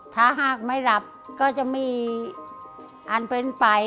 ถ้าหากไม่หลับก็จะมีอันเป็นไป